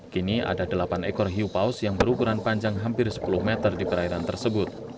kini ada delapan ekor hiu paus yang berukuran panjang hampir sepuluh meter di perairan tersebut